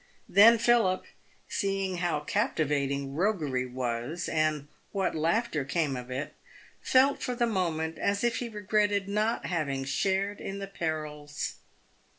Then Philip, seeing how captivating roguery was, and what laughter came of it, felt for the moment as if he regretted not having shared in the perils.